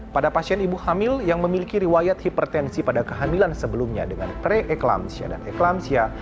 pada pasien ibu hamil yang memiliki riwayat hipertensi pada kehamilan sebelumnya dengan preeklampsia dan eklampsia